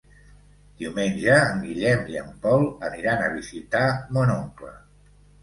Diumenge en Guillem i en Pol aniran a visitar mon oncle.